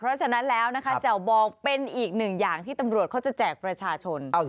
เพราะฉะนั้นแล้วนะคะแจ่วบองเป็นอีกหนึ่งอย่างที่ตำรวจเขาจะแจกประชาชน